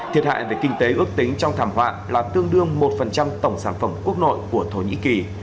thiệt hại về kinh tế ước tính trong thảm họa là tương đương một tổng sản phẩm quốc nội của thổ nhĩ kỳ